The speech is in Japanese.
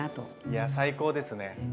いや最高ですね！